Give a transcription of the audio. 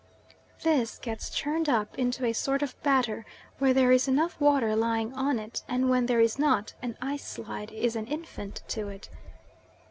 This gets churned up into a sort of batter where there is enough water lying on it, and, when there is not, an ice slide is an infant to it.